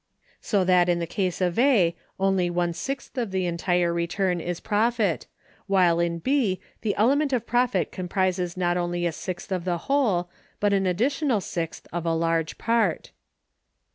So that in the case of A only one sixth of the entire return is profit, while in B the element of profit comprises not only a sixth of the whole, but an additional sixth of a large part.